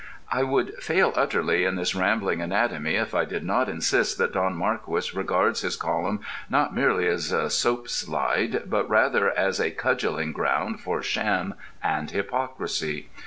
I would fail utterly in this rambling anatomy if I did not insist that Don Marquis regards his column not merely as a soapslide but rather as a cudgelling ground for sham and hypocrisy.